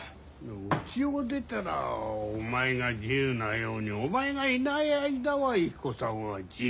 うちを出たらお前が自由なようにお前がいない間はゆき子さんは自由なんだ。